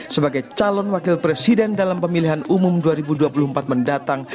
sebagai calon wakil presiden dalam pemilihan umum dua ribu dua puluh empat mendatang